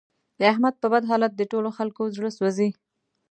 د احمد په بد حالت د ټول خکلو زړه سوځي.